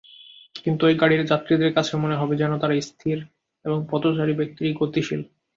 কিন্তু, ঐ গাড়ির যাত্রীদের কাছে মনে হবে যেন, তারা স্থির এবং পথচারী ব্যক্তিটি গতিশীল।